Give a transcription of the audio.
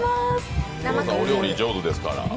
お料理上手ですから。